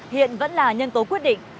hiện vẫn là nhân tố quyết định